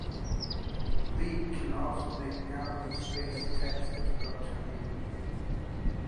Bleed can also make narrowly spaced text difficult to read.